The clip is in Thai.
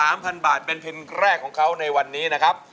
มูลค่า๓๐๐๐บาทเป็นเพลงแรกของเค้าในวันนี้นะครับ